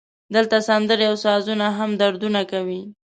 دلته سندرې او سازونه هم دردونه کوي